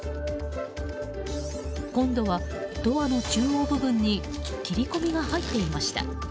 今度はドアの中央部分に切り込みが入っていました。